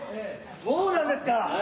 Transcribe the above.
そうなんですか。